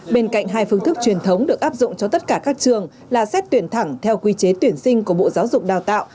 bên cạnh hai phương thức truyền thống được áp dụng cho tất cả các trường là xét tuyển thẳng theo quy chế tuyển sinh của bộ giáo dục đào tạo